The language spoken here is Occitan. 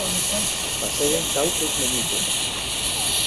Passèren quauques menutes.